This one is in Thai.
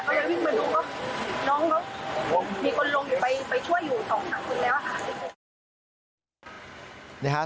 ก็เลยวิ่งมาดูก็น้องเขามีคนลงไปช่วยอยู่๒๓คนแล้ว